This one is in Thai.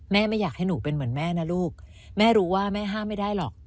ไม่อยากให้หนูเป็นเหมือนแม่นะลูกแม่รู้ว่าแม่ห้ามไม่ได้หรอก